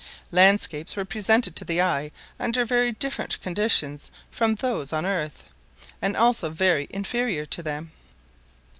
Landscapes were presented to the eye under very different conditions from those on the earth, and also very inferior to them.